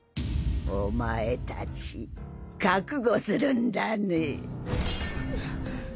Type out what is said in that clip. お前たち覚悟するんだねぇ。